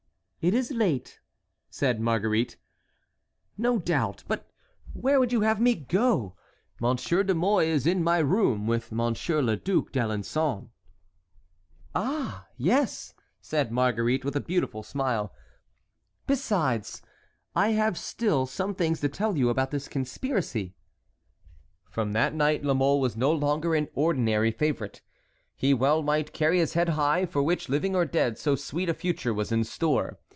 "It is late," said Marguerite. "No doubt; but where would you have me go? Monsieur de Mouy is in my room with Monsieur le Duc d'Alençon." "Ah! yes," said Marguerite, with a beautiful smile. "Besides, I have still some things to tell you about this conspiracy." From that night La Mole was no longer an ordinary favorite. He well might carry his head high, for which, living or dead, so sweet a future was in store.